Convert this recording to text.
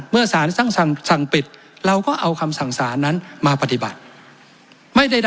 เมื่อสารสั่งปิดเราก็เอาคำสั่งสารนั้นมาปฏิบัติ